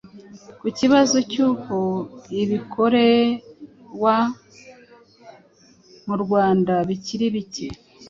Ku kibazo cy’uko ibikorewa mu Rwanda bikiri bike,